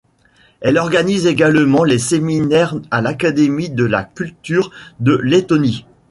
Elle organise également les séminaires à l'Académie de la Culture de Lettonie.